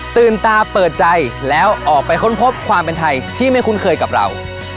ตาเปิดใจแล้วออกไปค้นพบความเป็นไทยที่ไม่คุ้นเคยกับเรา